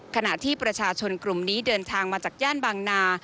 ขณะที่ประชาชนกลุ่มนี้เดินทางมาจากย่านบางนา